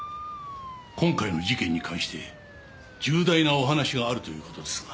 今回の事件に関して重大なお話があるという事ですが。